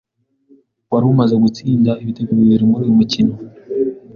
wari umaze gutsinda ibitego bibiri muri uyu mukino